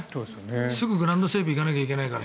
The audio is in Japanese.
すぐグラウンド整備に行かないといけないから。